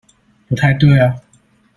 不太對啊！